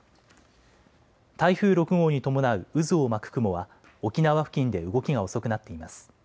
台風６号に伴う渦を巻く雲は沖縄付近で動きが遅くなっています。